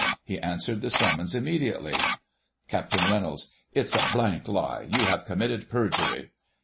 He answered the sunmions immediately. Capt Reynolds: It's a lie. You have committed perjury.